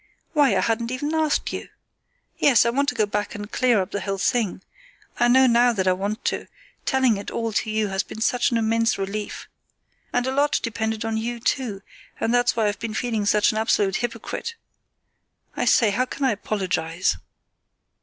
"Why, I hadn't even asked you! Yes, I want to go back and clear up the whole thing. I know now that I want to; telling it all to you has been such an immense relief. And a lot depended on you, too, and that's why I've been feeling such an absolute hypocrite. I say, how can I apologise?"